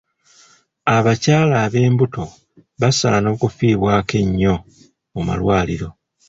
Abakyala ab'embuto basaana okufiibwako ennyo mu malwaliro.